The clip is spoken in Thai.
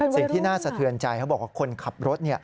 สิ่งที่น่าสะเทือนใจเขาบอกว่าคนขับรถ